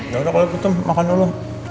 yaudah kalau gitu makan dulu